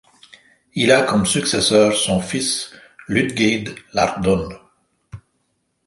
Il a comme successeur son fils Lugaid Íardonn.